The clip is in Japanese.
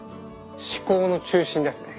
思考の中心ですね。